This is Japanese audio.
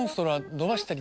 伸ばしたり。